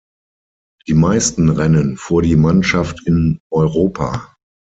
Die meisten Rennen fuhr die Mannschaft in Europa.